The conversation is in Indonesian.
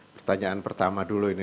pertanyaan pertama dulu ini